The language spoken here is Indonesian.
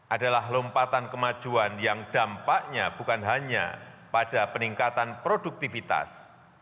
adalah lompatan kemajuan yang dampaknya bukan hanya pada peningkatan produktivitas